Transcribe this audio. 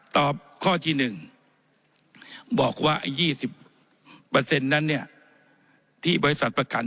ตอบข้อที่หนึ่งบอกว่า๒๐นั้นที่บริษัทประกัน